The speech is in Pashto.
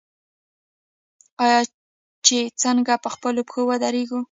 آیا چې څنګه په خپلو پښو ودریږو؟